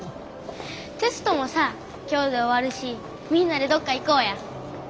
テストもさ今日で終わるしみんなでどっか行こうや。